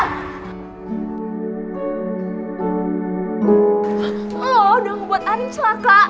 lo udah ngebuat arin celaka